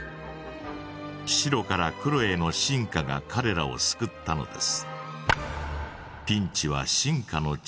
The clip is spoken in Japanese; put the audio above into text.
白から黒への進化がかれらを救ったのです。